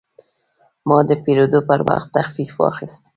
ما د پیرود پر وخت تخفیف واخیست.